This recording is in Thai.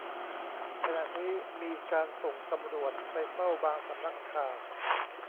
ขณะนี้มีการส่งตำรวจไปเฝ้าบางสำนักข่าว